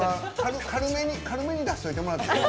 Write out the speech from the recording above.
軽めに出しといてもらっていい？